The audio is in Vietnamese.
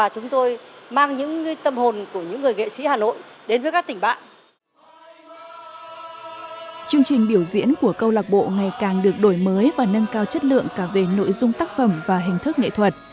chương trình biểu diễn của câu lạc bộ ngày càng được đổi mới và nâng cao chất lượng cả về nội dung tác phẩm và hình thức nghệ thuật